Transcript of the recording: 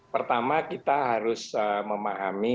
pertama kita harus memahami